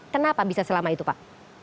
kenapa bisa selama itu pak